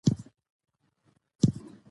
د خپلو خپلوانو سره رابطه کې اوسېدل پکار يي